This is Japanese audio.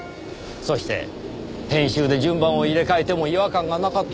そして編集で順番を入れ替えても違和感がなかったのはなぜか？